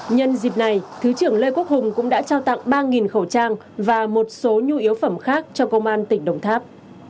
nhân dịp này thứ trưởng lê quốc hùng cũng đã trao tặng ba khẩu trang và một số nhu yếu phẩm khác cho công an tỉnh đồng tháp